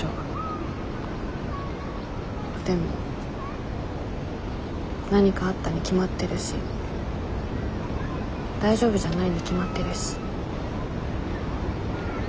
でも何かあったに決まってるし大丈夫じゃないに決まってるし。